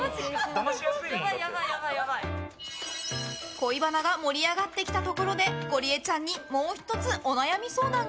恋バナが盛り上がってきたところでゴリエちゃんにもう１つ、お悩み相談が。